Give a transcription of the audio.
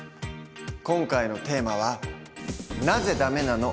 今回のテーマは「なぜダメなの？